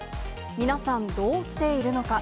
皆さん、どうしているのか。